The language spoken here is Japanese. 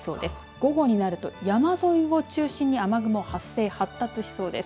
午後になると山沿いを中心に雨雲が発生、発達しそうです。